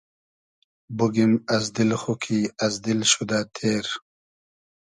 بوگیم از دیل خو کی از دیل شودۂ تېر